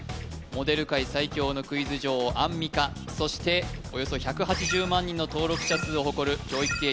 モデル界最強のクイズ女王アンミカそしておよそ１８０万人の登録者数を誇る教育系ＹｏｕＴｕｂｅｒ